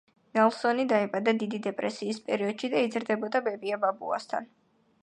ნელსონი დაიბადა დიდი დეპრესიის პერიოდში და იზრდებოდა ბებია-ბაბუასთან.